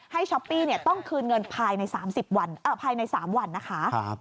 ช้อปปี้ต้องคืนเงินภายใน๓วันนะคะ